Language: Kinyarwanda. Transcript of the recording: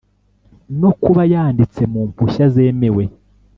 no kuba yanditse mu mpushya zemewe